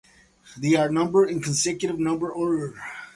They are numbered in consecutive number order.